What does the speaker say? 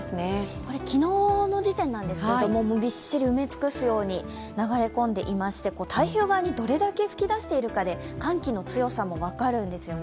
これ、昨日の時点なんですけどもびっしり埋め尽くすように流れ込んでいまして、太平洋側にどれだけ吹き出しているかで寒気の強さも分かるんですよね。